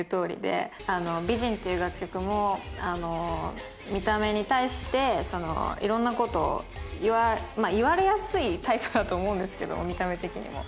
『美人』っていう楽曲も見た目に対していろんなことを言われやすいタイプだと思うんですけど見た目的にも。